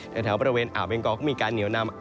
แถวบริเวณอ่าวเบงกอก็มีการเหนียวนำ